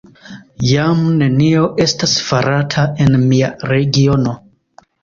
Jam nenio estas farata en mia regiono!